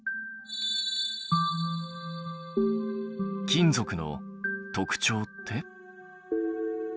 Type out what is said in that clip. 金属の特徴って？